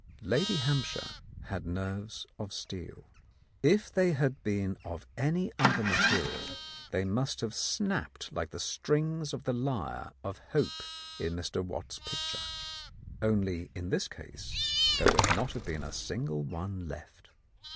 Lady Hampshire had nerves of steel. If they had been of any other material they must have snapped like the strings of the lyre of Hope in Mr. Watts's picture. Only in this case there would not have been a single one left.